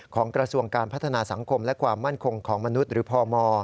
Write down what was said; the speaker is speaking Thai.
กระทรวงการพัฒนาสังคมและความมั่นคงของมนุษย์หรือพม